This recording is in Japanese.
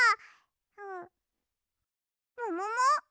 んももも？